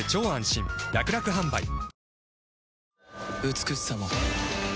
美しさも